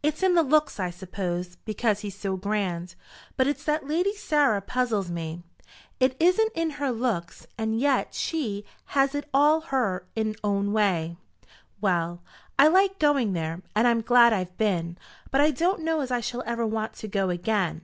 "It's in the looks, I suppose, because he's so grand. But it's that Lady Sarah puzzles me. It isn't in her looks, and yet she has it all in her own way. Well; I liked going there, and I'm glad I've been; but I don't know as I shall ever want to go again."